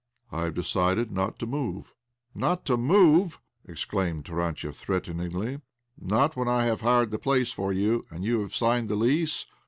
" I have decided not to move." "Not to move ?" exclaimed Tarantiev threateningly. "Not when I have hired the place for you, and you have signed the lease?"